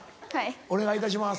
お願いいたします。